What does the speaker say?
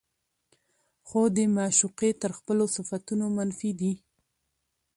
خو د معشوقې تر خپلو صفتونو منفي دي